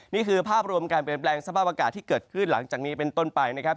นี่คือภาพรวมการเปลี่ยนแปลงสภาพอากาศที่เกิดขึ้นหลังจากนี้เป็นต้นไปนะครับ